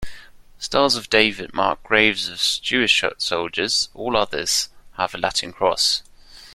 Stars of David mark graves of Jewish soldiers, all others have a Latin Cross.